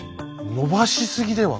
延ばしすぎでは？